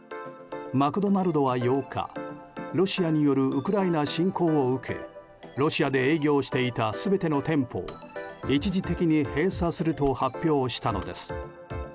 マクドナルドは８日ロシアによるウクライナ侵攻を受けロシアで営業していた全ての店舗を一時的に閉鎖すると発表したのです。